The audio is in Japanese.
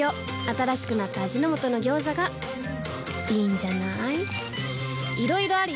新しくなった味の素の「ギョーザ」がいいんじゃない？